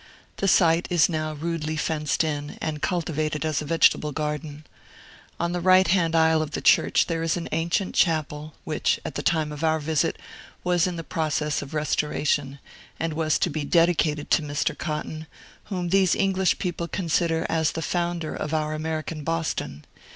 The site is now rudely fenced in, and cultivated as a vegetable garden. In the right hand aisle of the church there is an ancient chapel, which, at the time of our visit, was in process of restoration, and was to be dedicated to Mr. Cotton, whom these English people consider as the founder of our American Boston.